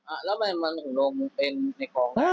อ่ะแล้วมันหงวงเป็นในครอง